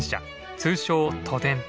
通称都電。